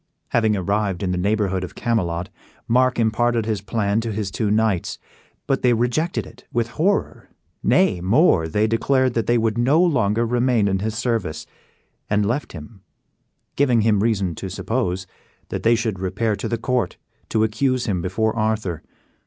Having arrived in the neighborhood of Camelot, Mark imparted his plan to his two knights, but they rejected it with horror; nay, more, they declared that they would no longer remain in his service; and left him, giving him reason to suppose that they should repair to the court to accuse him before Arthur.